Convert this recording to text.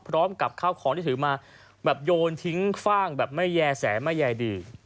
พร้อมกับข้าวของที่ถือมาแบบโยนทิ้งฟ่างแบบไม่แย่แสไม่ใยดี